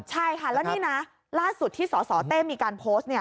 ใช่ค่ะแล้วนี่นะล่าสุดที่สสเต้มีการโพสต์